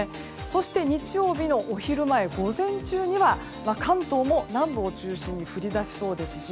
そして、日曜日のお昼前午前中には関東も南部を中心に降り出しそうですし